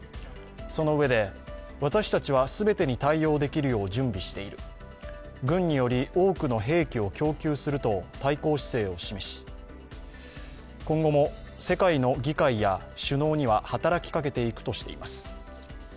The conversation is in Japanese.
そのうえで、私たちは全てに対応できるよう準備している、軍により多くの兵器を供給すると対抗姿勢を示し、今後も世界の議会や首脳には働きかけていくとしています。